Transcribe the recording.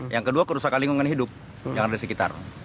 yang kedua kerusakan lingkungan hidup yang ada di sekitar